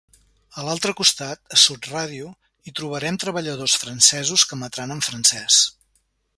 De l'altre costat, a Sud Ràdio, hi trobarem treballadors francesos que emetran en francès.